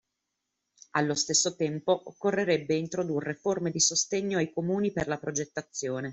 Allo stesso tempo, occorrerebbe introdurre forme di sostegno ai comuni per la progettazione